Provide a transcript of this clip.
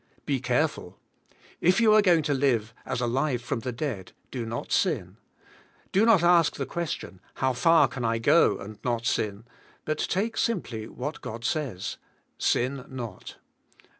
Be careful. If you are going to live as alive from the dead do not sin. Do not ask the question, How far can I go and not sin, but take simply what God says, Sin not.